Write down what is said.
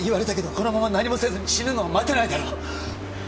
このまま何もせずに死ぬのを待てないだろ